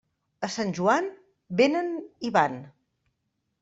A Sant Joan, vénen i van.